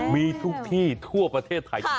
มีทุกที่ทั่วประเทศไทย